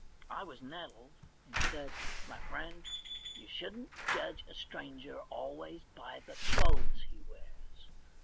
I was nettled, and said : *My friend, you shouldn't judge a stranger always by the clothes he wears.